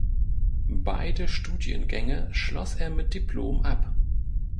Beide Studiengänge schloss er mit Diplom ab.